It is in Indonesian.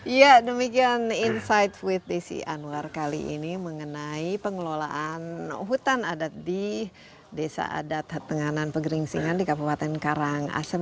ya demikian insight with desi anwar kali ini mengenai pengelolaan hutan adat di desa adat tenganan pegeringsingan di kabupaten karangasem